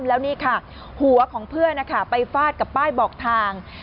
แล้วนี่ค่ะหัวของเพื่อนนะคะไปฟาดกับป้ายบอกทาง